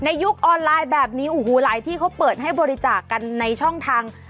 ยุคออนไลน์แบบนี้โอ้โหหลายที่เขาเปิดให้บริจาคกันในช่องทาง